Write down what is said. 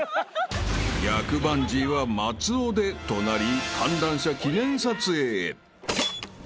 ［「逆バンジーは松尾で」となり観覧車記念撮影］